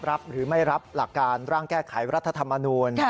รับหรือไม่รับหลักการร่างแก้ไขรัฐธรรมนูล